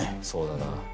そうだな。